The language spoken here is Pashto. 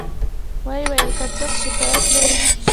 و یې ویل که څوک شکایت لري.